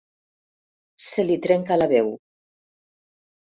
Se li trenca la veu.